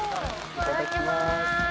いただきます。